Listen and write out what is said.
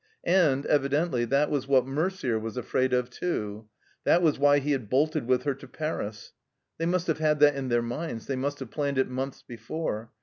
And, evi dently, that was what Merder was afraid of too. That was why he had bolted with her to Paris. They must have had that in their minds, they must have planned it months before.